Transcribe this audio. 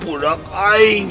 kau tidak bisa menang